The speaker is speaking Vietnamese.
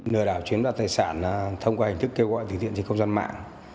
nơi đảo chiếm đoạt tài sản thông qua hình thức kêu gọi từ thiện trên công dân mạng